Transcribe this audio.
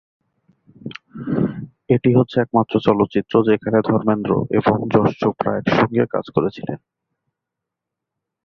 এটি হচ্ছে একমাত্র চলচ্চিত্র যেখানে ধর্মেন্দ্র এবং যশ চোপড়া একসঙ্গে কাজ করেছিলেন।